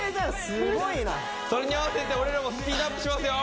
すごいなそれに合わせて俺らもスピードアップしますよ